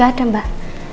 gak ada mbak